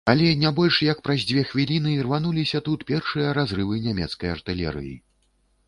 Але не больш як праз дзве хвіліны рвануліся тут першыя разрывы нямецкай артылерыі.